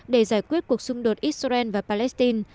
để giải quyết cuộc xung đột israel và palestine